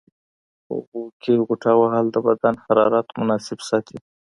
په اوبو کې غوټه وهل د بدن حرارت مناسب ساتي.